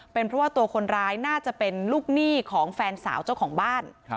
เป็นเพราะว่าตัวคนร้ายน่าจะเป็นลูกหนี้ของแฟนสาวเจ้าของบ้าน